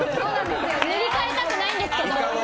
塗り替えたくないんですけど。